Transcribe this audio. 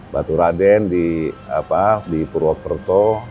batu raden di purwokerto